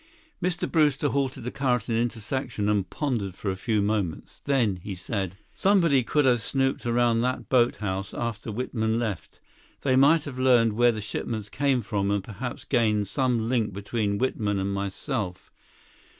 Mr. Brewster halted the car at an intersection and pondered for a few moments. Then he said: "Somebody could have snooped around that boathouse after Whitman left. They might have learned where the shipments came from and perhaps gained some link between Whitman and myself.